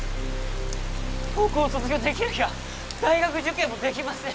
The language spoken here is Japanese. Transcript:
高校を卒業できなきゃ大学受験もできません